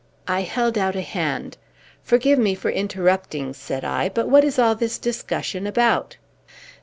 I held out a hand. "Forgive me for interrupting," said I, "but what is all this discussion about?"